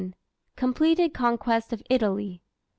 Completed conquest of Italy.